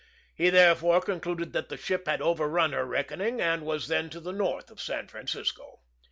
He therefore concluded that the ship had overrun her reckoning, and was then to the north of San Francisco.